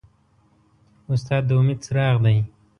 استاد د امید څراغ دی.